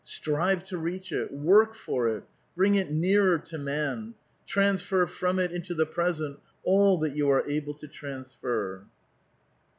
Strive to reach it ! work for it ! bring it nearer to man. Transfer from it into the present all that you are able to tiansfer."